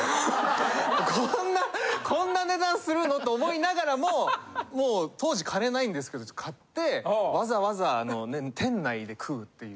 こんなこんな値段するの！？と思いながらももう当時金ないんですけど買ってわざわざ店内で食うっていう。